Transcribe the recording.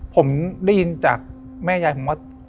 ผมได้ยินจากแม่ยายผมว่า